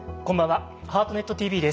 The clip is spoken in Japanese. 「ハートネットＴＶ」です。